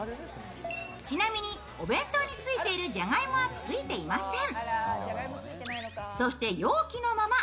ちなみに、お弁当についているじゃがいもはついていません。